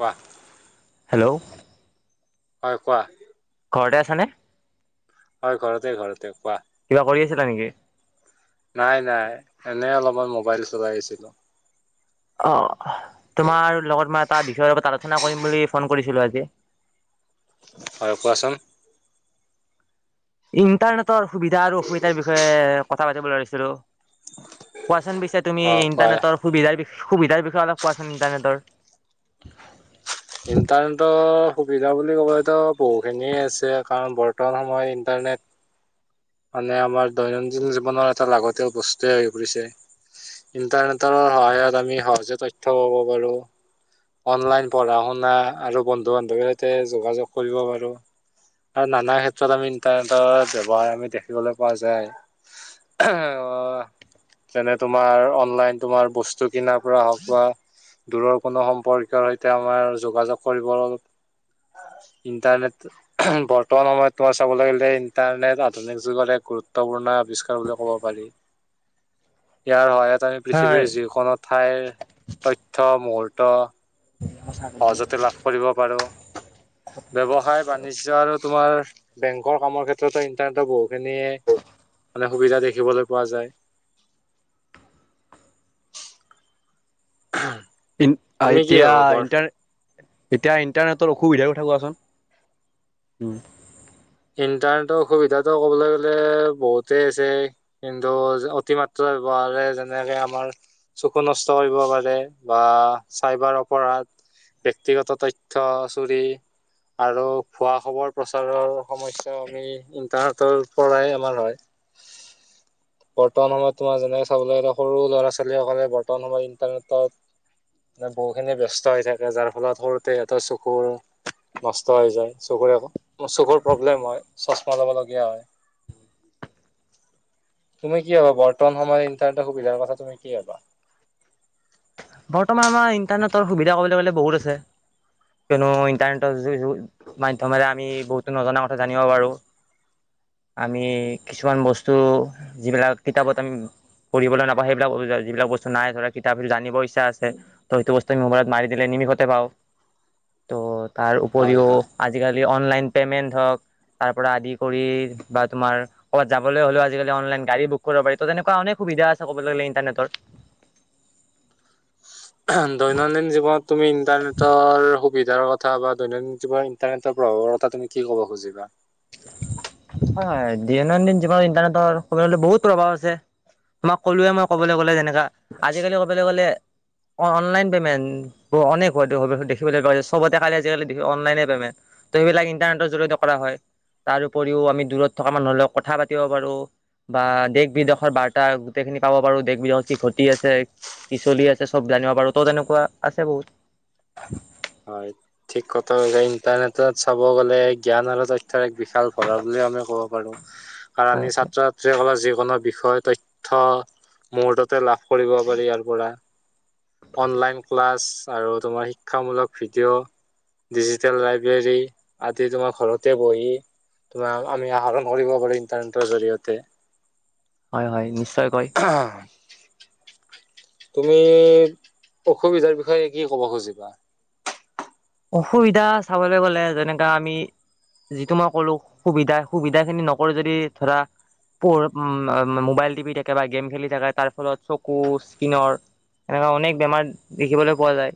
কোৱা হেল্ল'। হয় কোৱা। ঘৰতে আছানে হয় ঘৰতে ঘৰতে, কোৱা। কিবা কৰি আছিলা নেকি? নাই নাই। এনে অলপমান মোবাইল চলাই আছিলো। অ' তোমাৰ লগত মই এটা বিষয়ৰ ওপৰত আলোচনা কৰিম বুলি ফোন কৰিছিলো আজি। [inaudible] হয় কোৱাচোন। ইন্টাৰনেটৰ সুবিধা আৰু অসুবিধাৰ বিষয়ে কথা পাতিব লাৰিছিলো, কোৱা পিছে তুমি অ কোৱা ইণ্টাৰনেটৰ সুবিধাৰ বিষয়ে সুবিধাৰ বিষয়ে অলপ কোৱাচোন, ইণ্টাৰনেটৰ ইণ্টাৰনেটৰ সুবিধা বুলি ক'বলেতো বহুখিনিয়ে আছে, কাৰণ বৰ্তমান সময়ত ইণ্টাৰনেট মানে আমাৰ দৈনন্দিন জীৱনৰ এটা লাগতিয়াল বস্তুৱে হৈ পৰিছে। ইণ্টাৰনেটৰ সহায়ত আমি সহজে তথ্য পাব পাৰো। অনলাইন পঢ়া-শুনা আৰু বন্ধু বান্ধৱীৰ সৈতে যোগাযোগ কৰিব পাৰো। আৰু নানা ক্ষেত্ৰত আমি ইণ্টাৰনেটৰ ব্যৱহাৰ, আমি দেখিবলৈ পোৱা যায়। অহ যেনে, তোমাৰ অনলাইন তোমাৰ বস্তু কিনাৰ পৰা হওক বা দূৰৰ কোনো সম্পৰ্কীয়ৰ সৈতে আমাৰ যোগাযোগ কৰিব ইণ্টাৰনেট, বৰ্তমান সময়ত তোমাৰ চাবলৈ গ'লে ইণ্টাৰনেট আধুনিক যুগত এক গুৰুত্বপূৰ্ণ আৱিষ্কাৰ বুলি ক'ব পাৰি। ইয়াৰ সহায়ত আমি হয় পৃথিৱীৰ যিকোনো ঠাইৰ তথ্য, মুহূৰ্ত সহজতে লাভ কৰিব পাৰো, ব্যৱসায়, বাণিজ্য আৰু তোমাৰ বেংকৰ কামৰ ক্ষেত্ৰতো ইন্টাৰনেটৰ বহুখিনিয়ে মানে সুবিধা দেখিবলৈ পোৱা যায়। [inaudible] [unintelligible] ই তুমি কি এতিয়া, ভাবা বৰ ইণ্টাৰ এতিয়া ইন্টাৰনেটৰ অসুবিধাৰ কথা কোৱাচোন। উ ইণ্টাৰনেটৰ অসুবিধাটো ক'বলৈ গ'লে, বহুতেই আছে। কিন্তু অতিমাত্ৰা ব্যৱহাৰে যেনেকে আমাৰ চকু নষ্ট কৰিব পাৰে, বা চাইবাৰ অপৰাধ ব্যক্তিগত তথ্য চুৰি আৰু ভুৱা খবৰ প্ৰচাৰৰ সমস্যাও আমি ইণ্টাৰনেটৰ পৰাই আমাৰ হয়। [inaudible] বৰ্তমান সময়ত তোমাৰ যেনেকে চাবলৈ গ'লে, সৰু ল'ৰা-ছোৱালীসকলে বৰ্তমান সময়ত ইন্টাৰনেটত মানে বহুখিনি ব্যস্ত হৈ থাকে। যাৰ ফলত সৰুতে সিহঁতৰ চকুৰ নষ্ট হৈ যায়। চকুৰে একো, চকুৰ প্ৰব্লেম হয়, চশমা ল'বলগীয়া হয়। তুমি কি ভাবা? বৰ্তমান সময়ত ইণ্টাৰনেটৰ সুবিধাৰ কথা তুমি কি ভাবা? বৰ্তমান আমাৰ ইণ্টাৰনেটৰ সুবিধা ক'বলৈ গ'লে বহুত আছে। কিয়নো ইণ্টাৰনেটৰ [unintelligible] মাধ্যমেৰে আমি বহুতো নজনা কথা জানিব পাৰো। আমি কিছুমান বস্তু যিবিলাক কিতাপত আমি কৰিবলৈ নাপা সেইবিলাক [unintelligible] যিবিলাক বস্তু নাই ধৰা কিতাপ [unintelligible] আছে তো সিটো বস্তু আমি মোবাইলত মাৰি দিলে নিমিষতে পাওঁ। তাৰ হয় উপৰিও হয় আজিকালি অনলাইন পে'মেণ্ট হওক তাৰ পৰা আদি কৰি বা তোমাৰ ক'বাত যাবলৈ হলেও আজিকালি অনলাইন গাড়ী বুক কৰিব পাৰি ত' তেনেকুৱা অনেক সু সুবিধা আছে কবলৈ গলে ইণ্টাৰনেটৰ। দৈনন্দিন জীৱনত তুমি ইন্টাৰনেটৰ সু‌ সুবিধাৰ কথা বা দৈনন্দিন জীৱনত ইণ্টাৰনেটৰ প্ৰভাৱৰ কথা তুমি কি কব খুজিবা? হয় হয়, দৈনন্দিন জীৱনত ইণ্টাৰনেটৰ ক'বলৈ গলে বহুত প্ৰভাৱ আছে। তোমাক ক'লুৱে মই কবলৈ গ'লে যেনেকা, আজিকালি কবলৈ গ'লে অ - অনলাইন পেমেণ্ট অনেক [unintelligible] দেখিবলৈ [unintelligible] চবতে কালি আজিকালি দেখি অনলাইনে পেমেণ্ট। ত' সিবিলাক ইন্টাৰনেটৰ জৰি়য়তে কৰা হয় তাৰ উপৰিও আমি দূৰত থকা মানুহৰ লগ কথা পাতিব পাৰো। বা দেশ বিদেশৰ বাৰ্তা গোটেইখিনি পাব পাৰো দেশ বিদেশত কি ঘতি আছে। কি চলি আছে চব জানিব পাৰো। ত' তেনেকুৱা আছে বহুত। হয়। ঠিক কথা [unintelligible] ইণ্টাৰনেটত চাব গ'লে জ্ঞান আৰু তইথ থৰ এক বিশাল ভৰাল বুলিয়ে আমি ক'ব পাৰো, কাৰণ হয় ই হয় ছাত্ৰ ছাত্ৰীসকলৰ যি কোনো বিষয় তথ্য মুহূৰ্ততে লাভ কৰিব পাৰি ইয়াৰ পৰা। অনলাইন ক্লাছ আৰু তোমাৰ শিক্ষামূলক ভিডিঅ' ডিজিটেল লাইব্ৰেৰী আদি তোমাৰ ঘৰতে বহি তোমাৰ আমি আহৰণ কৰিব পাৰো ইণ্টাৰনেটৰ জৰিয়তে। হয় হয় নিশ্চয়কৈ। তুমি অসুবিধাৰ বিষয়ে কি ক'ব খুজিবা? অসুবিধা চাবলৈ গ'লে যেনেকা আমি যিটো মই কলো সুবিধা - সুবিধা খিনি নকৰি যদি ধৰা [unintelligible] উম অ মোবাইল টিপি থাকে বা গেম খেলি থাকে তাৰ ফলত চকু স্কিনৰ এনেকা অনেক বেমাৰ দেখিবলৈ পোৱা যায়।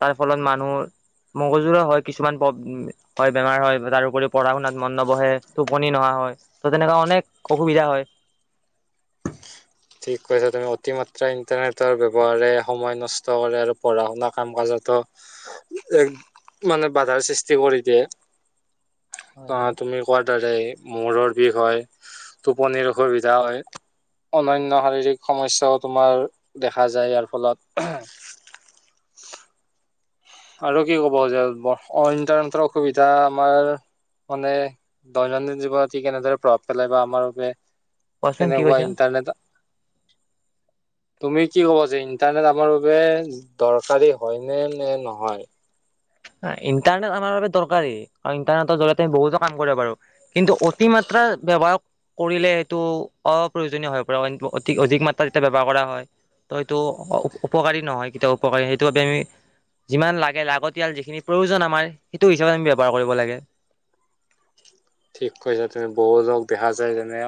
তাৰ ফলত মানুৰ মগজুৰা হয় কিছুমান ব হয় বেমাৰ হয় তাৰপৰি পঢ়া শুনাত মন নবহে টোপনি নহা হয় ত' তেনেকা অনেক অসুবিধা হয়। ঠিক কৈছা তুমি অতিমাত্ৰা ইন্টাৰনেটৰ ব্যৱহাৰে সময় নষ্ট কৰে আৰু পঢ়া শুনা কাম কাজত ত, ‌এক, মানে বাধাৰ সৃষ্টি কৰি দিয়ে। হয় অ' হয় তুমি কোৱাৰ‌ দৰে। মূৰৰ বিষ হয়, টোপনিৰ অসুবিধা হয়, ‌অন্য ন শাৰীৰিক সমস্যাও তোমাৰ দেখা যায় ইয়াৰ ফলত। [inaudible] আৰু কি ক'ব যে [unintelligible] ইণ্টাৰনেটৰ অসুবিধা আমাৰ মানে দৈনন্দিন জীৱনত ই কেনেদৰে প্ৰভাৱ পেলাই বা আমাৰ বাবে কোৱাচোন কি কেনেকুৱা কৈছা ইণ্টাৰনেট তুমি কি ক'বা যে ইণ্টাৰনেট আমাৰ বাবে দৰকাৰী হয় নে নে নহ হয়। না ইণ্টাৰনেট আমাৰ বাবে দৰকাৰী কাৰণ‌ ইণ্টাৰনেটৰ জৰিয়তে আমি বহুতো কাম কৰিব পাৰো, কিন্তু অতিমাত্ৰ ত্ৰা আপোনাৰ ব্যৱহাৰ কৰিলে সেইটো অপ্ৰয়োজনীয় হৈ পৰে। [unintelligible] অধিক - অধিক মাত্ৰা যেতিয়া ব্যৱহাৰ কৰা হয়। ত' সেইটো অ - উপ - উপকাৰী নহয় কেতিয়াও উপকাৰী সেইটো বাবে আমি যিমান লাগে লাগত তিয়াল যিখিনি প্ৰয়োজন আমাৰ সিটো হিচাবে আমি ব্যৱহাৰ কৰিব লাগে। ঠিক কৈছে তুমি বহুতক দেখা যায় যেনে‌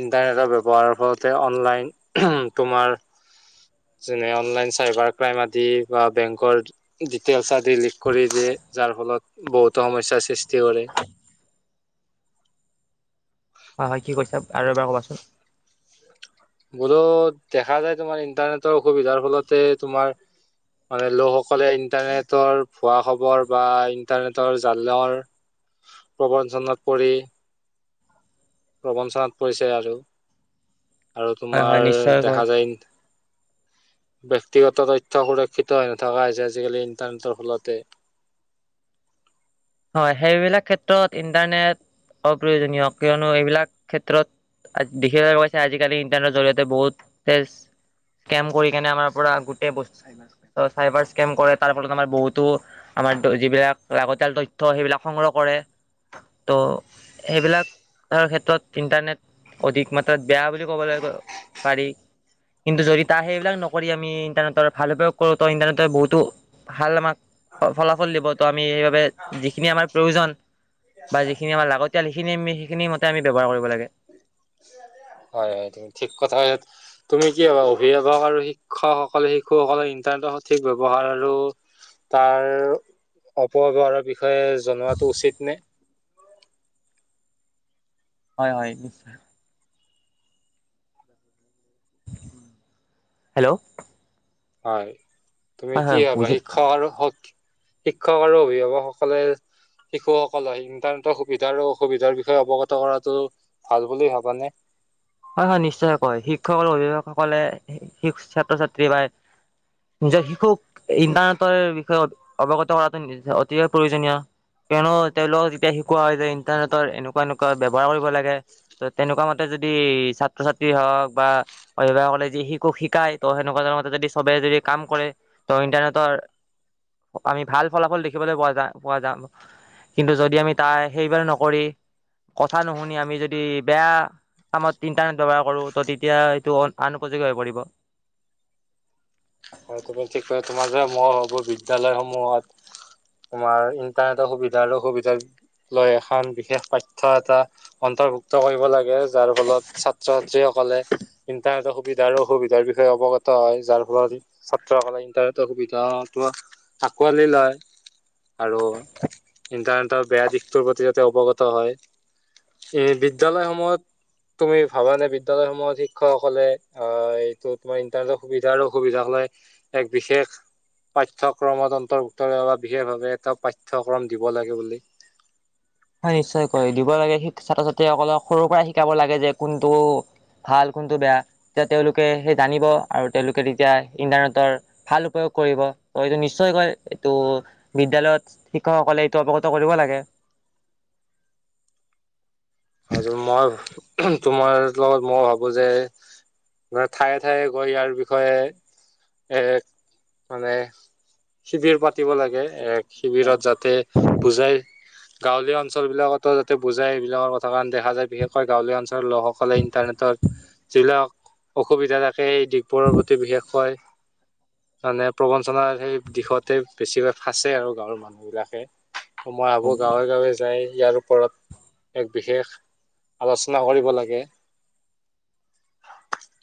ইন্টাৰনেটৰ ব্যৱহাৰৰ ফলতে অনলাইন তোমাৰ যেনে অনলাইন চাইবাৰ ক্ৰাইম আদি বা বেংকৰ ডিটেইলছ আদি লিক কৰি দিয়ে। যাৰ ফলত বহুতো সমস্যাৰ সৃষ্টি কৰে। [inaudible] হয় হয়। কি কৈছা আৰু এবাৰ কবাচোন? বোলো দেখা যায় তোমাৰ ইন্টাৰনেটৰ অসুবিধাৰ ফলতে তোমাৰ মানে লোকসকলে ইণ্টাৰনেটৰ ভুৱা খবৰ বা ইণ্টাৰনেটৰ জালৰ। প্ৰবঞ্চনাত পৰি। প্ৰবঞ্চনাত পৰিছে আৰু আৰু হয় হয় তোমাৰ নিশ্চয়কৈ দেখা যায়। [inaudible] ব্যয়ক্তিগত তথ্য সুৰক্ষিত হৈ নথকা হৈছে আজিকালি ইণ্টাৰনেটৰ ফলতে। [unintelligible] হয় সেইবিলাক ক্ষেত্ৰত ইন্টাৰনেট। অপ্ৰয়োজনীয় কিয়নো এইবিলাক ক্ষেত্ৰত দেখিব কৈছে আজিকালি ইণ্টাৰনেটৰ জৰিয়তে বহুতে। স্কেম কৰি কেনে আমাৰ পৰা গোটেই বস্তু চাইবাৰ স্কেম কৰে তাৰ ফলত আমাৰ বহুতো? আমাৰ যিবিলাক লাগতিয়াল তথ্য সেইবিলাক সংগ্ৰহ কৰে তো সেইবিলাক? তাৰ ক্ষেত্ৰত ইণ্টাৰনেট অধিক মাত্ৰাত বেয়া বুলি ক'বলৈ পাৰি কিন্তু যদি তাৰ সেইবিলাক নকৰি আমি ইণ্টাৰনেটৰ ভাল উপয়োগ কৰো ত ইণ্টাৰনেটৰ বহুতো ভাল আমাক ফলাফল দিব তো আমি সেইবাবে যিখিনি আমাৰ প্ৰয়োজন বা যিখিনি আমাৰ লাগতিয়াল সিখিনি আমি সেইখিনি মতে আমি ব্যৱহাৰ কৰিব লাগে। হয় হয় ঠিক কথা তুমি কি হবা অভিভাৱক আৰু শিক্ষকসকলে শিশুসকলে তেনে সঠিক ব্যৱ্হাৰ আৰু তাৰ অপব্যৱহাৰৰ বিষয়ে জনোৱাতো উচিত নে হয় হয় নিশ্চয় হেল্ল' হয় তুমি কি হবা শিক্ষা আৰু শিক্ষক আৰু অভিভাৱকসকলে। শিশুসকললে ইন্টাৰনেটৰ সুবিধা অসুবিধাৰ বিষয়ে অৱগত কৰাটো ভাল বুলি ভবানে হয় হয় নিশ্চয়ে কয় শিক্ষক আৰু অভিভাৱকসকলে ছাত্ৰ ছাত্ৰী বা। নিজৰ শিশুক ইণ্টাৰনেটৰ বিষয়ে অৱগত কৰাটো অতিকে প্ৰয়োজনীয়? কিয়নো তেওঁলোকক যেতিয়া শিকোৱা হয় যে ইণ্টাৰনেটৰ এনেকুৱা এনেকুৱা ব্যৱহাৰ কৰিব লাগে ত তেনেকুৱা মতে যদি কি ছাত্ৰ ছাত্ৰী হওঁক বা অভিভাৱকলে যি শিশু শিকাই ত সেনেকুৱা ধৰ মতে যদি সবে যদি কাম কৰে ত ইণ্টাৰনেতো? আমি ভাল ফলাফল দেখিবলৈ পোৱা যা পোৱা যাম। কিন্তু যদি আমি তাই সেইবাৰ নকৰি কথা নুশুনি আমি যদি বেয়া [unintelligible] কামত ইন্টাৰনেট ব্যৱহাৰ কৰো ত তেতিয়া এইটো আনপযোগী হৈ পৰিব। হয় তোমাৰ ঠিক ক তোমাৰ মই হ'ব বিদদ্যালয়সমূহত? [unintelligible] তোমাৰ ইণ্টাৰনেটৰ সুবিধা আৰু সুবিধা। লৈ এখন বিশেষ পাঠ্য এটা অন্তৰ্ভুক্ত কৰিব লাগে যাৰ ফলত ছাত্ৰ ছাত্ৰী কলে ইণ্টাৰনেটৰ সুবিধা অসুবিধাৰ বিষয়ে অৱগত হয় যাৰ ফলত ছাত্ৰসকলে ইন্টাৰনেটৰ সুবিধা আকোৱালি লয়। আৰু ইণ্টাৰনেটৰ বেয়া দিশটোৰ প্ৰতি যাতে অৱগত হয়। এ বিদ্যালয় সমূহত তুমি ভাবানে বিদ্যালয় সমূহত শিক্ষকসকলে অ এইটো তোমাৰ ইন্টাৰনেটৰ সুবিধাৰো অসুবিধালে এক বিশেষ পাঠ্যক্ৰমত অন্তৰ্ভুক্ত বা বিশেষভাৱে এটা পাঠ্যক্ৰম দিব লাগে বুলি [inaudible] হয় নিশ্চয়কৈ দিব লাগে ছাত্ৰ ছাত্ৰীসকলক সৰুৰ পৰা শিকাব লাগে যে কোনটো ভাল কোনটো বেয়া তেতিয়া তেওঁলোকে সেই জানিব আৰু তেওঁলোকে তেতিয়া ইন্টাৰনেটৰ ভাল উপয়োগ কৰিব ত এইটো নিশ্চয় কয় এইটো বিদ্যয়ালয়ত শিক্ষকসকলে এইটো অৱগত কৰিব লাগে। [inaudible] আৰু মই তোমাৰ লগত মই ভাবো যে ম ঠায়ে ঠায়ে গৈ ইয়াৰ বিষয়ে। এ মানে সিবিৰ পা দিব লাগে এ শিবিৰত যাতে পূজাই গাঁৱলীয়া অঞ্চল বিলাকতো যাতে বুজাই সেইবিলাকৰ কথা। দেখা যায় বিশেষকৈ গাঁৱলীয়া অঞ্চলৰ লোকসকলে ইণ্টাৰনেটৰ যিবিলাক অসুবিধা থাকে এই দিশবোৰৰ প্ৰতি বিশেষকৈ মানে প্ৰবঞ্চনাৰ সেই দিশতে বেছিকৈ ফাঁচে আৰু গাঁৱৰ মানুহ বিলাকে। মই ভাবো গাঁৱে গাঁৱে যাই ইয়াৰ ওপৰত এক বিশেষ আলোচনা কৰিব লাগে।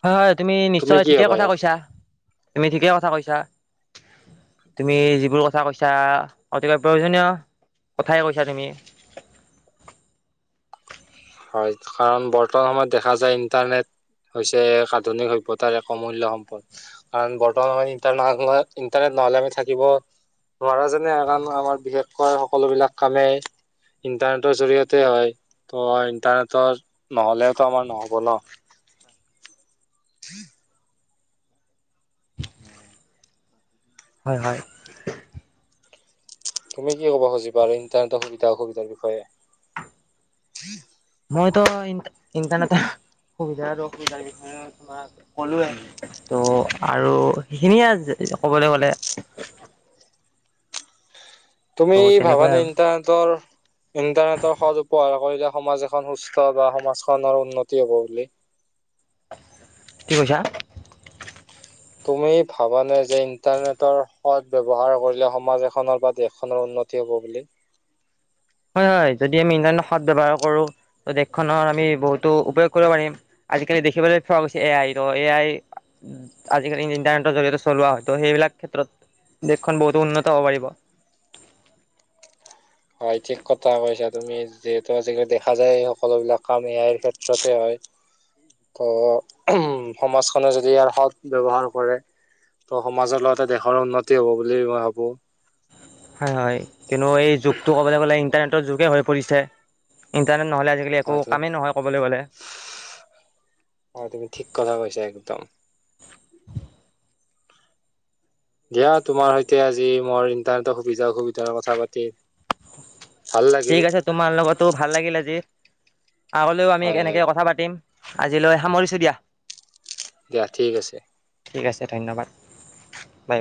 হয় হয় তুমি নিশ্চয় কি ঠিকে ভাবা কথা ইয়াৰ কৈছা, তুমি ঠিকে কথা কৈছা। তুমি যিবোৰ কথা কৈছা অতিকৈ প্ৰয়োজনীয়? কথাই কৈছা তুমি। হয় কাৰণ বৰ্তমান সময়ত দেখা যায় ইণ্টাৰনেট হৈছে এক আধুনিক সভ্যতাৰ এক অমূল্য সম্পদ কাৰণ বৰ্তমান ই ইণ্টাৰনেট নহলে আমি থাকিব নোৱাৰা যেনে হয়, কাৰণ আমাৰ বিশেষকৈ সকলো বিলাক কামেই ইণ্টাৰনেটৰ জৰিয়তে হয় ত। তাৰতৰ নহ'লেতো আমাৰ নহ'ব ন। [unintelligible] হয় হয়। তুমি কি ক'ব খুজিবা আৰু ইণ্টাৰনেটৰ সুবিধা অসুবিধাৰ বিষয়ে। মইতো ইন্টনেটৰ সুবিধাটো অসুবিধাৰ বিষয়ে তোমাক কলোৱে ত' আৰু সেইখিনিয়ে আ। ক'বলৈ গ'লে। তুমি ত' তেনেকুৱাই ভাবানে আৰু ইণ্টাৰনেটৰ ইণ্টাৰনেটৰ সজ উপহাৰ কৰিলে সমাজ এখন সুস্থ বা সমাজখনৰ উন্নতি হ'ব বুলি? কি কৈছা? তুমি ভাবানে যে ইন্টাৰনেটৰ সদ ব্যৱহাৰ কৰিলে সমাজ এখনৰ বা দেশখনৰ উন্নত টি হ'ব বুলি? [inaudible] হয় হয় যদি আমি ইন্টাৰনেট সদ ব্যৱহাৰ কৰো ত দেশখনৰ আমি বহুতো উপয়োগ কৰিব পাৰিম। আজিকালি দেখিবলৈ ফ্ৰ হৈছে A I to A I. আজিকালি ইন্টাৰনেটৰ জৰিয়তে চলোৱা হয় তো সেইবিলাক ক্ষেত্ৰত দেশখন বহুতো উন্নত হ'ব পাৰিব। হয় ঠিক কথা কৈছা তুমি যিহেতু আজিকালি দেখা যায় এই সকলো বিলাক কাম এয়াইৰ ক্ষেত্ৰতে হয়। ত উ সমাজখনে যদি ইয় সৎ ব্যৱহাৰ কৰে ত' সমাজৰ লগতে দেশৰ উন্নতি হব বুলি মই ভাবো। হয় হয় কিন্তু এই যুগটো ক'বলে গলে ইন্টাৰনেটৰ যে হৈ পৰিছে। ইণ্টাৰ নহ'লে আজিকালি একো হয়তো কামেই নহয় ক'বলে গ'লে। অ তুমি ঠিক কথা কৈছা একদম। [inaudible] দিয়া তোমাৰ সৈতে আজি মোৰ ইণ্টাৰনেটৰ সুবিধা অসুবিধাৰ কথা পাতি ভাল লাগিল ঠিক আছে তোমাৰ লগতো ভাল লাগিল আজি। আগলৈও আমি হয় হয় এনেকে কথা পাতিম আজিলৈ সামৰিছো দিয়াঁ। দিয়া ঠিক আছে। ঠিক আছে ধন্যবাদ বাই।